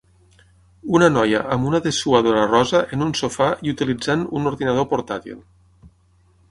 Una noia amb una dessuadora rosa en un sofà i utilitzant un ordinador portàtil.